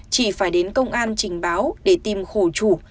chỉ phải đến công an trình báo để tìm khổ chủ